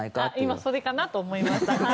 今それかなと思いました。